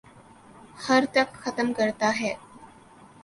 خر تک ختم کرتا ہے